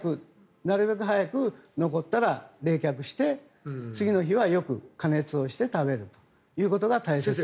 なるべく早く、残ったら冷却して次の日はよく加熱をして食べるということが大切です。